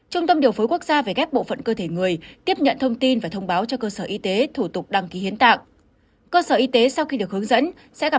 trung tâm điều phối quốc gia về ghép bộ phận cơ thể người tiếp nhận thông tin và thông báo cho cơ sở y tế thủ tục đăng ký hiến tạng